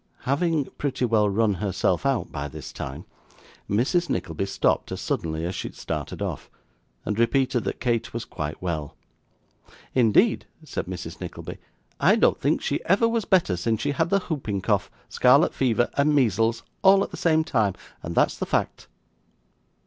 Having pretty well run herself out by this time, Mrs. Nickleby stopped as suddenly as she had started off; and repeated that Kate was quite well. 'Indeed,' said Mrs. Nickleby, 'I don't think she ever was better, since she had the hooping cough, scarlet fever, and measles, all at the same time, and that's the fact.